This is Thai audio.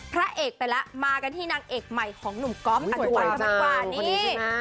พระเอกไปแล้วมากันที่นางเอกใหม่ของหนุ่มก๊อฟอสุวัสกันดีกว่านี่